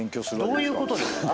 どういうことですか？